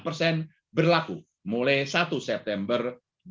persen berlaku mulai satu september dua ribu dua puluh dua